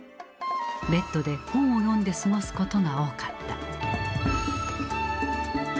べッドで本を読んで過ごすことが多かった。